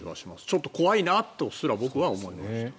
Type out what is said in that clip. ちょっと怖いなとすら僕は思いました。